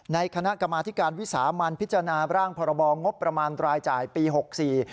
คณะกรรมาธิการวิสามันพิจารณาร่างพรบงบประมาณรายจ่ายปีหกสี่